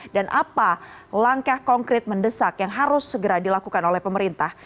dan apa langkah konkret mendesak yang harus segera dilakukan oleh pemerintah